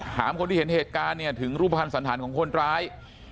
คนที่เห็นเหตุการณ์เนี่ยถึงรูปภัณฑ์สันธารของคนร้าย